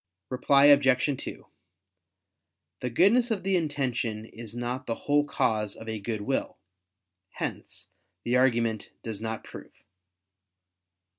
Reply Obj. 2: The goodness of the intention is not the whole cause of a good will. Hence the argument does not prove.